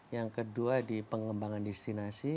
yang kedua di pengembangan destinasi